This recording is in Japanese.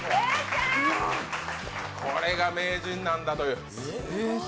これが名人なんだという。